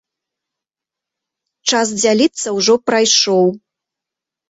Час дзяліцца ўжо прайшоў.